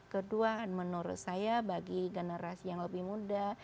kedua menurut saya bagi generasi yang lebih muda